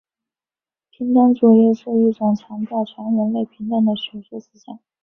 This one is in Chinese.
平等主义是一种强调全人类平等的学术思想。